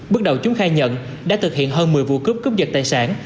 bước đầu chúng khai nhận đã thực hiện hơn một mươi vụ cướp cướp giật tài sản